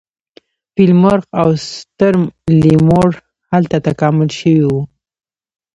فیل مرغ او ستر لیمور هلته تکامل شوي وو.